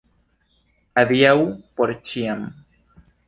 Adiaŭ por ĉiam.